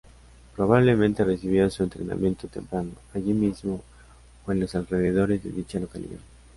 Probablemente recibió su entrenamiento temprano allí mismo o en los alrededores de dicha localidad.